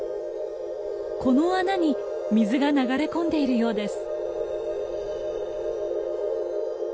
この穴に水が流れ込んでいるようです。